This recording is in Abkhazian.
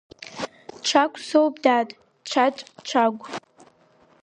Чагә соуп, дад, Чаҵә Чагә!